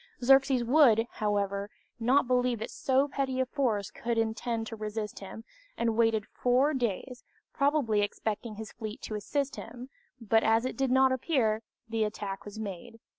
Xerxes would, however, not believe that so petty a force could intend to resist him, and waited four days, probably expecting his fleet to assist him, but as it did not appear, the attack was made.